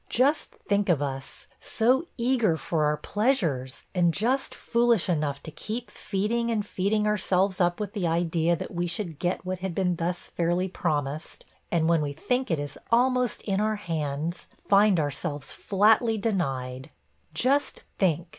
Just think of us! so eager for our pleasures, and just foolish enough to keep feeding and feeding ourselves up with the idea that we should get what had been thus fairly promised; and when we think it is almost in our hands, find ourselves flatly denied! Just think!